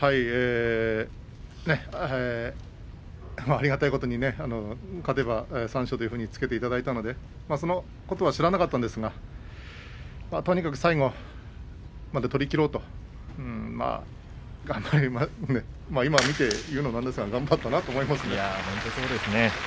ありがたいことにね勝てば三賞というふうにつけていただいたのでそのことは知らなかったんですがとにかく最後まで取りきろうと今見て言うのもなんですが頑張りました。